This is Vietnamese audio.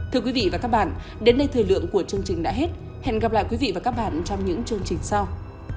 thưa quý vị và các bạn đến đây thời lượng của chương trình đã hết hẹn gặp lại quý vị và các bạn trong những chương trình sau